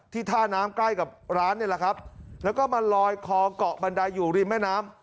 ท่าน้ำใกล้กับร้านนี่แหละครับแล้วก็มาลอยคอเกาะบันไดอยู่ริมแม่น้ำ